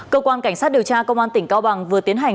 cơ quan cảnh sát điều tra công an tỉnh cao bằng vừa tiến hành